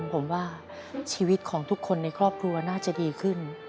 ผมว่าชีวิตของทุกคนในครอบครัวน่าจะดีขึ้น